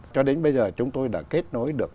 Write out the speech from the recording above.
cho đến bây giờ chúng tôi đã kết nối được